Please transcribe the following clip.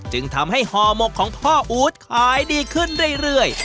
จึงทำให้ห่อหมกของพ่ออู๊ดขายดีขึ้นเรื่อย